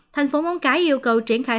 thành phố móng cái yêu cầu triển khai